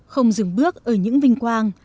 không dừng bước ở những vinh quang